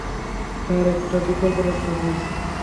Sir, একটা বিকল্প রাস্তা পেয়েছি!